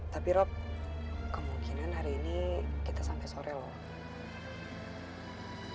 tapi rob kemungkinan hari ini kita sampai sore loh